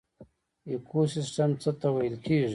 ایکوسیستم څه ته ویل کیږي